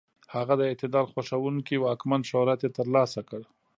هغه د اعتدال خوښونکي واکمن شهرت یې تر لاسه کړ.